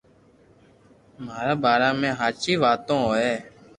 مارا باري ۾ ھاچي واتون ھوئي